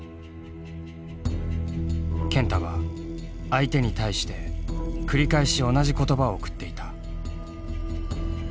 健太は相手に対して繰り返し同じ言葉を送っていた。